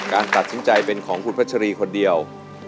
การตัดสินใจเป็นของคุณพัชรีคนเดียว